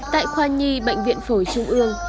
tại khoa nhi bệnh viện phổi trung ương